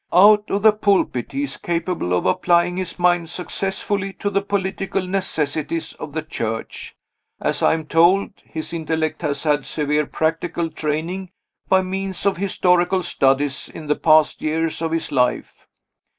Out of the pulpit, he is capable of applying his mind successfully to the political necessities of the Church. As I am told, his intellect has had severe practical training, by means of historical studies, in the past years of his life.